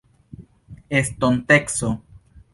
estonteco